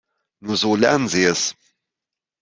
Nur so lernen sie es.